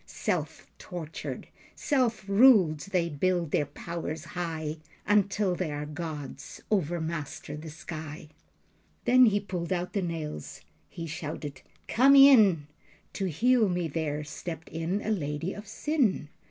Self tortured, self ruled, they build their powers high, Until they are gods, overmaster the sky." Then he pulled out the nails. He shouted "Come in." To heal me there stepped in a lady of sin.